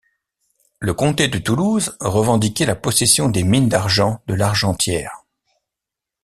Le comté de Toulouse revendiquait la possession des mines d'argent de Largentière.